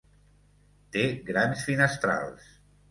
Té grans finestrals.